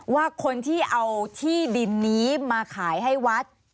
ว่าคนที่เอาที่ดินนี้มาขายให้วัด